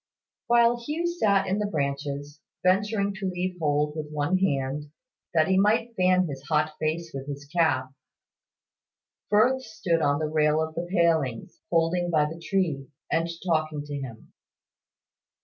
While Hugh sat in the branches, venturing to leave hold with one hand, that he might fan his hot face with his cap, Firth stood on the rail of the palings, holding by the tree, and talking to him.